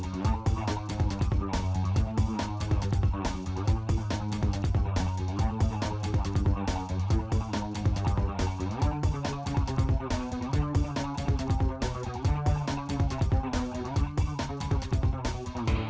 saya gak mau